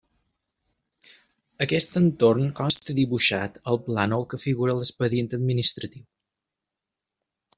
Aquest entorn consta dibuixat al plànol que figura a l'expedient administratiu.